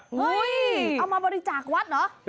เอามาบริจาควัดเหรอ